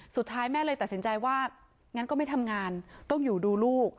สุดท้ายแม่เลยตัดสินใจว่างั้นก็ไม่ทำงานต้องอยู่ดูลูก